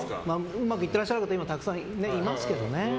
うまくいってらっしゃるかた今たくさんいますけどね。